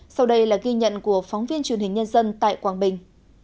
sau đây là ghi nhận của phóng viên truyền hình nhân dân tại quảng bình